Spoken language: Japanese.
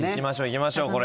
いきましょうこれ。